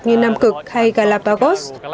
như nam cực hay galapagos